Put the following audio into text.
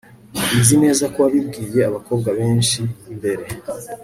Nzi neza ko wabibwiye abakobwa benshi mbere